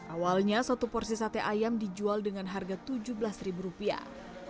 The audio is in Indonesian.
awalnya satu porsi sate ayam dijual dengan harga tujuh belas ribu rupiah